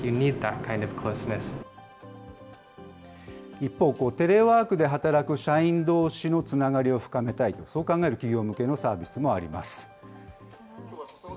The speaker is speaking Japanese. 一方、テレワークで働く社員どうしのつながりを深めたい、そう考える企業向けのサービスもあります。